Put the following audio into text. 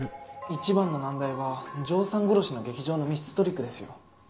一番の難題は城さん殺しの劇場の密室トリックですよ。